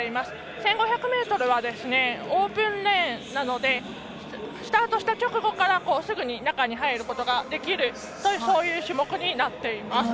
１５００ｍはオープンレーンなのでスタートした直後からすぐに中に入ることができるそういう種目になっています。